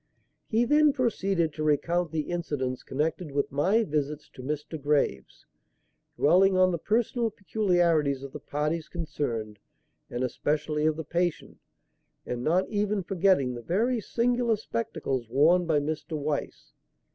He then proceeded to recount the incidents connected with my visits to Mr. Graves, dwelling on the personal peculiarities of the parties concerned and especially of the patient, and not even forgetting the very singular spectacles worn by Mr. Weiss.